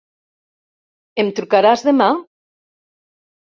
Em trucaràs demà?